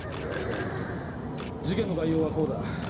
事件の概要はこうだ。